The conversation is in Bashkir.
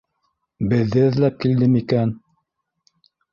Беҙҙе эҙләп килде микән